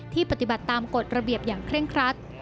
ปฏิบัติตามกฎระเบียบอย่างเคร่งครัด